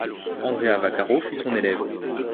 Andrea Vaccaro fut son élève.